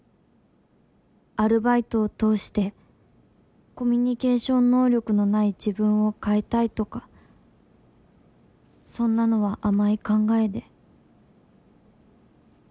「アルバイトを通してコミュニケーション能力のない自分を変えたいとかそんなのは甘い考えで」